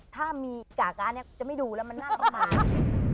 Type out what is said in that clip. ถ้ามีจะไม่ดูแล้วมันน่าก็ทรมาน